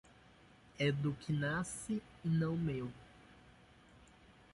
É do que nasce e não meu.